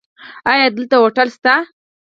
ایا دلته هوټل شته؟